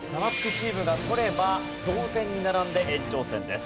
チームが取れば同点に並んで延長戦です。